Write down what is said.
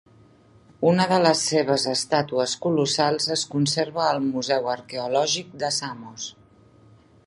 Una de les seves estàtues colossals es conserva al Museu Arqueològic de Samos.